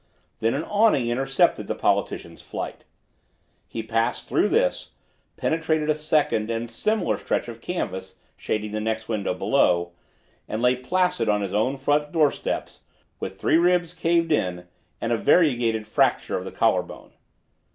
Then an awning intercepted the politician's flight. He passed through this, penetrated a second and similar stretch of canvas shading the next window below, and lay placid on his own front steps with three ribs caved in and a variegated fracture of the collar bone.